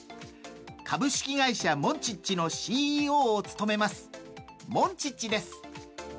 株式会社モンチッチのＣＥＯを務めます、モンチッチです。